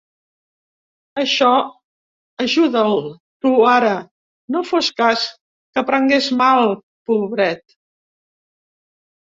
Això, ajuda'l, tu ara, no fos cas que prengués mal, pobret.